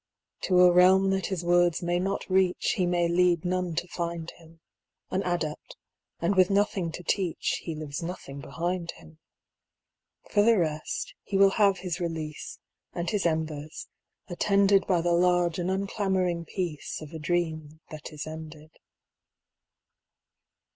To a realm that his words may not reach He may lead none to find him; An adept, and with nothing to teach, He leaves nothing behind him. For the rest, he will have his release, And his embers, attended By the large and unclamoring peace Of a dream that is ended.